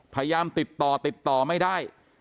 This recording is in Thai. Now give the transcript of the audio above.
พยายามติดต่อติดต่อไม่ได้